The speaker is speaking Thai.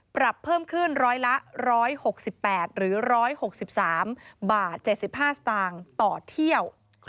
ปรับเพิ่มขึ้นร้อยละ๑๖๘หรือ๑๖๓บาท๗๕สตางค์ต่อเที่ยว